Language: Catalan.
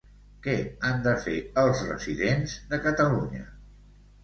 Què han de fer els residents de Catalunya?